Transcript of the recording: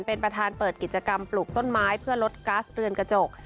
เป็นประธานเปิดกิจกรรมปลูกต้นไม้เพื่อลดกัสเรือนกระจก